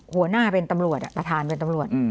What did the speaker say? หัวหน้าเป็นตำรวจประธานเป็นตำรวจ